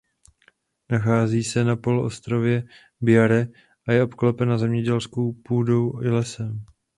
Nachází se na poloostrově Bjäre a je obklopena zemědělskou půdou i lesem.